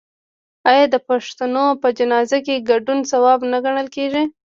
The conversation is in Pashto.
آیا د پښتنو په جنازه کې ګډون ثواب نه ګڼل کیږي؟